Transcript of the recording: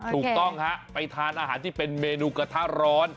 ถูกต้องฮะไปทานอาหารที่เป็นเมนูกระทะร้อน